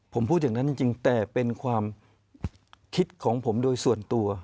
ผมพูดอย่างนั้นจริงแต่เป็นความคิดของผมโดยส่วนตัว